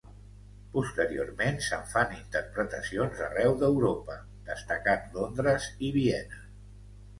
Posteriorment se'n fan interpretacions arreu d'Europa, destacant Londres i Viena.